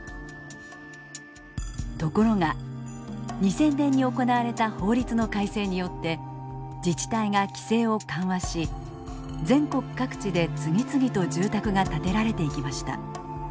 ところが２０００年に行われた法律の改正によって自治体が規制を緩和し全国各地で次々と住宅が建てられていきました。